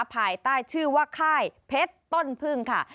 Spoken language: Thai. ภายใต้ชื่อว่าค่ายเพชรต้นพึ่งค่ะ